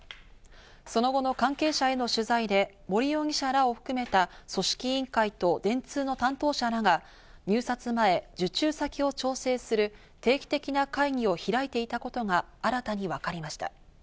その後の関係者への取材で森容疑者らを含めた組織委員会と電通の担当者らが入札前、受注先を調整する定期的な会議を開いていたことが新たに分かりました。